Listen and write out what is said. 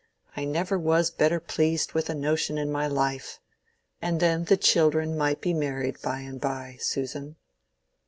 I never was better pleased with a notion in my life. And then the children might be married by and by, Susan."